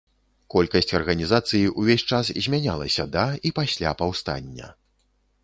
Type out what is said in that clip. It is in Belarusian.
Колькасць арганізацыі ўвесь час змянялася да і пасля паўстання.